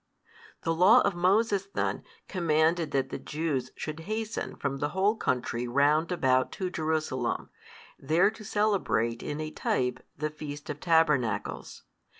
The Law of Moses then commanded that the Jews should hasten from the whole country round about to Jerusalem, there to celebrate in a type the feast of tabernacles.